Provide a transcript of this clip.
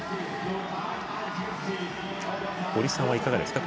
堀さんはいかがですか？